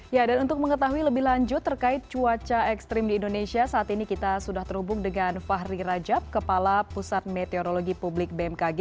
ya dan untuk mengetahui lebih lanjut terkait cuaca ekstrim di indonesia saat ini kita sudah terhubung dengan fahri rajab kepala pusat meteorologi publik bmkg